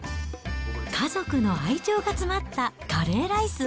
家族の愛情が詰まったカレーライス。